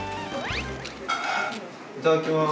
いただきます。